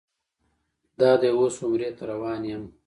دادی اوس عمرې ته روان یم.